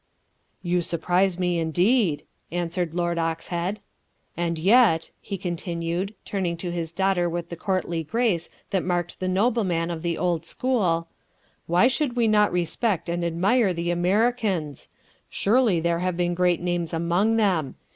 "You surprise me indeed," answered Lord Oxhead; "and yet," he continued, turning to his daughter with the courtly grace that marked the nobleman of the old school, "why should we not respect and admire the Americans? Surely there have been great names among them.